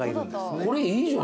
これいいじゃん。